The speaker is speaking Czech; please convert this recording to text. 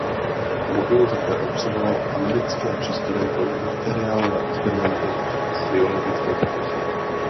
Modul také obsahoval americké přístroje pro materiálové experimenty a biologické pokusy.